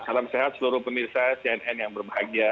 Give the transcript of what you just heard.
salam sehat seluruh pemirsa cnn yang berbahagia